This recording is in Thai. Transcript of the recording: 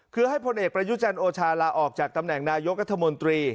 คือให้พลเอกประยุจันทร์โอชาลาออกจากตำแหน่งนายกรัฐมนตรี